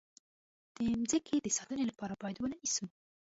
د مځکې د ساتنې لپاره باید ونه نیسو.